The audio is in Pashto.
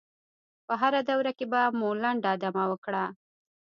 په هره دوره کې به مو لنډه دمه وکړه.